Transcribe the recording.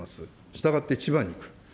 したがって千葉に行く。